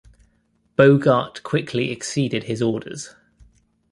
Bogart quickly exceeded his orders.